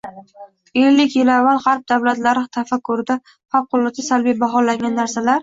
Ellik yil avval g‘arb xalqlari tafakkurida favqulodda salbiy baholangan narsalar